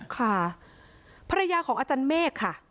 ค่ะภรรยาของอาจารย์เมฆค่ะ